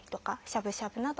しゃぶしゃぶあ